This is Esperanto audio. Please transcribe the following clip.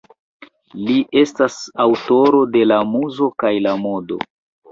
Li estas aŭtoro de ""La Muzo kaj la Modo"".